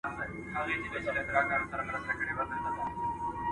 د حقوقو په اړه عامه پوهاوی زیات کړئ.